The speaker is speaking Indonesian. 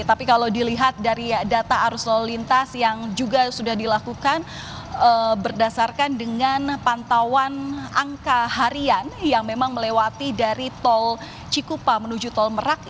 tapi kalau dilihat dari data arus lalu lintas yang juga sudah dilakukan berdasarkan dengan pantauan angka harian yang memang melewati dari tol cikupa menuju tol merak